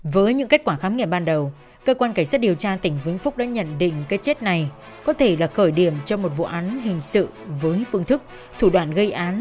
với những kết quả khám nghiệm ban đầu cơ quan cảnh sát điều tra tỉnh vĩnh phúc đã nhận định cái chết này có thể là khởi điểm cho một vụ án hình sự với phương thức thủ đoạn gây án